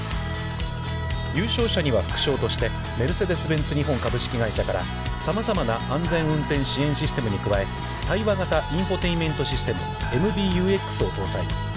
優勝者には副賞として、メルセデス・ベンツ日本株式会社から、さまざまな安全運転支援システムに加え、対話型インフォテインメントシステム「ＭＢＵＸ」を搭載。